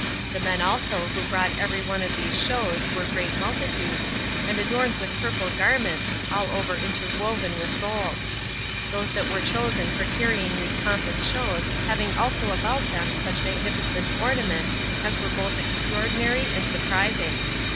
The men also who brought every one of these shows were great multitudes, and adorned with purple garments, all over interwoven with gold; those that were chosen for carrying these pompous shows having also about them such magnificent ornaments as were both extraordinary and surprising.